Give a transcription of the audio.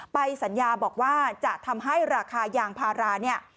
สัญญาบอกว่าจะทำให้ราคายางพาราเนี่ย